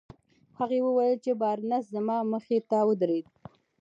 هغه وويل چې بارنس زما مخې ته ودرېد.